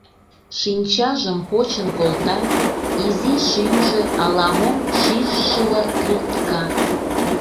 Шинчажым почын колта; изи шӱмжӧ ала-мом шижшыла кӱлтка.